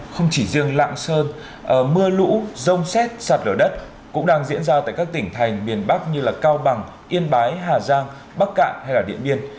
không chỉ riêng lạng sơn mưa lũ rông xét sạt lở đất cũng đang diễn ra tại các tỉnh thành miền bắc như cao bằng yên bái hà giang bắc cạn hay điện biên